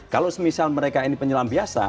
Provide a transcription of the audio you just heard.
kalau misalnya mereka ini penyelam